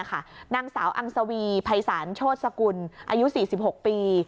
นางสาวอังสวีภัยศาลโชษกุลอายุ๔๖ปี